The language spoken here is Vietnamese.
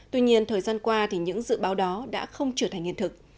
tuy nhiên thời gian qua thì những dự báo đó đã không trở thành hiện thực